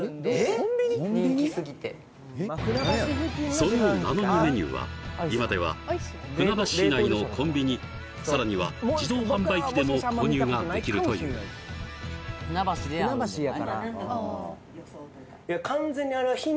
そのなのにメニューは今では船橋市内のコンビニさらには自動販売機でも購入ができるといううんすももなんだ！